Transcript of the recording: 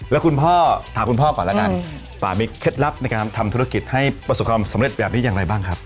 แล้วคุณพ่อถามคุณพ่อก่อนแล้วกันป่ามีเคล็ดลับในการทำธุรกิจให้ประสบความสำเร็จแบบนี้อย่างไรบ้างครับ